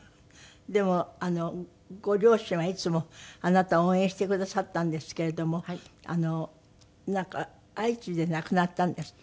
でもご両親はいつもあなたを応援してくださったんですけれどもなんか相次いで亡くなったんですって？